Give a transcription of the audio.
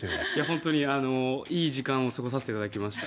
本当にいい時間を過ごさせていただきました。